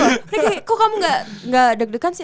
kayak kok kamu enggak deg degan sih